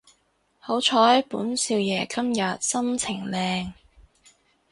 好彩本少爺今日心情靚